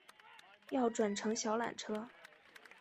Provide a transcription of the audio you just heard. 要转乘小缆车